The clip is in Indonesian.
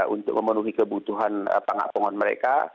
untuk memenuhi kebutuhan pangak pongon mereka